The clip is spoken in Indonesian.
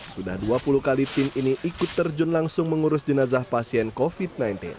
sudah dua puluh kali tim ini ikut terjun langsung mengurus jenazah pasien covid sembilan belas